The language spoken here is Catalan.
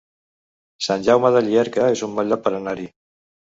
Sant Jaume de Llierca es un bon lloc per anar-hi